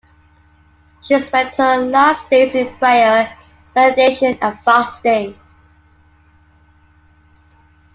She spent her last days in prayer, mediation and fasting.